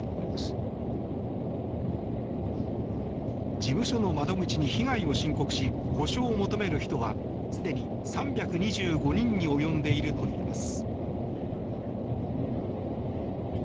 事務所の窓口に被害を申告し補償を求める人はすでに３２５人に及んでいるといいます。